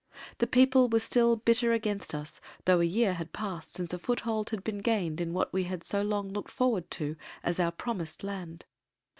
The people were still bitter against us though a year had passed since a foothold had been gained in what we had so long looked forward to as our "Promised Land."